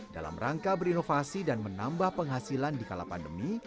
dalam rangka berinovasi dan menambah penghasilan di kala pandemi